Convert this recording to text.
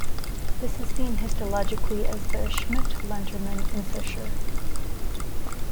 This is seen histologically as the Schmidt-Lantermann incisure.